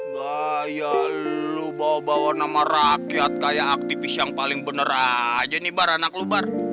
gaya lu bawa bawa nama rakyat kayak aktivis yang paling bener aja nih bar anak lo bar